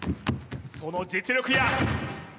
その実力や！